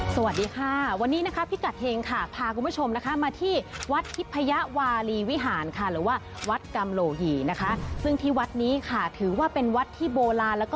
สวัสดีค่ะวันนี้นะคะพี่กักเฅ่งข์ภาพว่าชมนะคะมาที่วัสดีพยาวรีวิหารท่านหรือว่าวัดกรรมโลหยีนะคะซึ่งที่วัดนี้ขาถือว่าเป็นวัดที่โบราณแล้ว